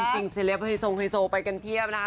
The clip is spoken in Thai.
จริงเซลลิปไฮโซไฮโซไปกันเทียบนะคะ